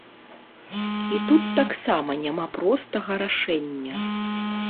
І тут таксама няма простага рашэння!